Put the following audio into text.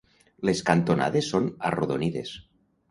Les cantonades són arrodonides.